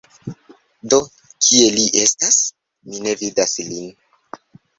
Do kie li estas? Mi ne vidas lin?